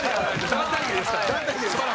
団体芸ですから。